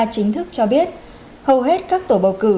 chính thức cho biết hầu hết các tổ bầu cử